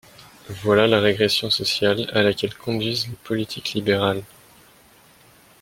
Voilà la régression sociale à laquelle conduisent les politiques libérales